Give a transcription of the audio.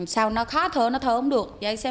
sao nó khó thở nó thở không được